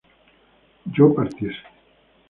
yo partiese